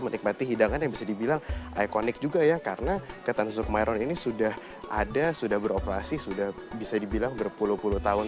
menikmati hidangan yang bisa dibilang ikonik juga ya karena ketan sukmaron ini sudah ada sudah beroperasi sudah bisa dibilang berpuluh puluh tahun